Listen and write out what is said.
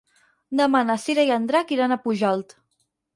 Demà na Cira i en Drac iran a Pujalt.